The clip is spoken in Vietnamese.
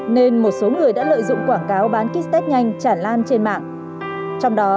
nên một số người đã lợi dụng quảng cáo bán kit test nhanh chản lan trên mạng